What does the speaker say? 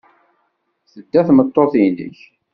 Tedda tmeṭṭut-nnek.